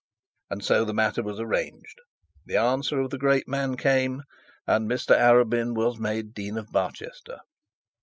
And so the matter was arranged. The answer of the great man came, and Mr Arabin was made Dean of Barchester.